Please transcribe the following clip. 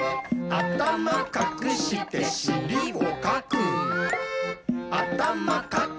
「あたまかくかくしりもかく！」